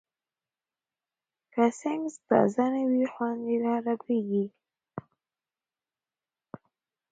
که سنکس تازه نه وي، خوند یې خرابېږي.